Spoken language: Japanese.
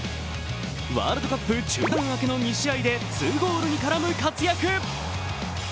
ワールドカップ中断明けの２試合で２ゴールに絡む活躍。